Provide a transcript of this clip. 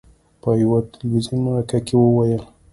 په یوې تلویزوني مرکې کې وویل: